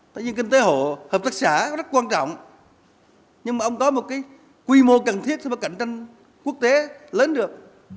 tại vì kinh tế hộ hợp tác xã rất quan trọng nhưng mà ông có một cái quy mô cần thiết phải cạnh tranh quốc tế lớn được